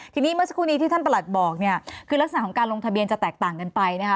ทีนี้เมื่อสักครู่นี้ที่ท่านประหลัดบอกเนี่ยคือลักษณะของการลงทะเบียนจะแตกต่างกันไปนะคะ